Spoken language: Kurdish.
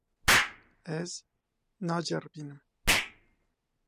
Ez naceribînim.